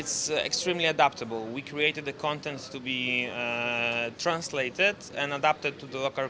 setelah mengembangkan kursus kelas ini dapat membuat kursus dengan lebih cepat